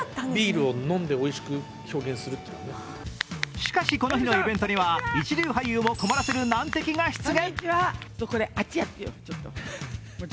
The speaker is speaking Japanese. しかし、この日のイベントには一流俳優も困らせる難敵が出現。